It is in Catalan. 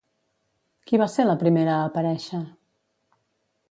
Qui va ser la primera a aparèixer?